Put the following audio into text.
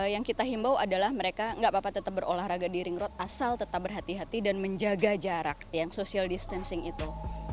yang kita himbau adalah mereka nggak apa apa tetap berolahraga di ring road asal tetap berhati hati dan menjaga jarak yang social distancing itu